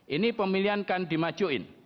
ini pemilihan kan dimajuin